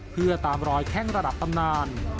เพื่อตามรอยแข้งระดับตำนาน